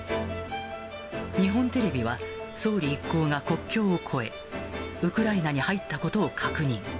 日本テレビは、総理一行が国境を越え、ウクライナに入ったことを確認。